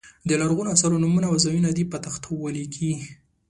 د لرغونو اثارو نومونه او ځایونه دې په تخته ولیکي.